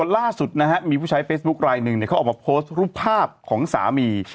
ล่าสุดนะฮะมีผู้ชายเฟซบุ๊คไลน์หนึ่งเนี่ยเค้าออกมาโพสต์รูปภาพของสามี